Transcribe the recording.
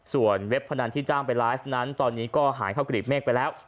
เว็บพนันที่จ้างไปไลฟ์นั้นตอนนี้ก็หายเข้ากรีบเมฆไปแล้ว